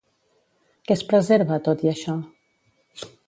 Què es preserva, tot i això?